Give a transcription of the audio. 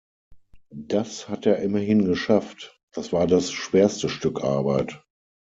Das hat er immerhin geschafft, das war das schwerste Stück Arbeit.